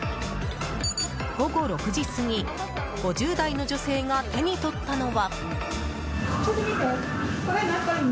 午後６時過ぎ、５０代の女性が手に取ったのは。